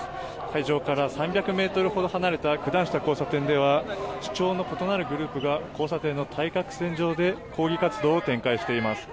会場から３００ｍほど離れた九段下交差点では主張の異なるグループが交差点の対角線上で抗議活動を展開しています。